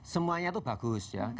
semuanya itu bagus ya